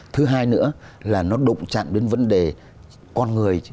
thứ hai nữa là nó đụng chạm đến vấn đề con người